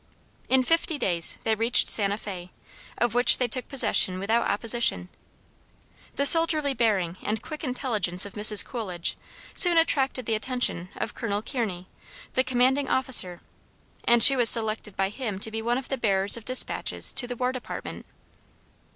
In fifty days they reached Santa Fe, of which they took possession without opposition. The soldierly bearing and quick intelligence of Mrs. Coolidge soon attracted the attention of Col. Kearney, the commanding officer, and she was selected by him to be one of the bearers of dispatches to the war department.